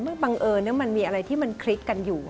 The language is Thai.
บังเอิญมันมีอะไรที่มันคลิกกันอยู่